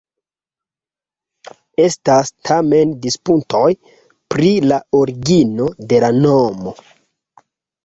Estas tamen disputoj pri la origino de la nomo.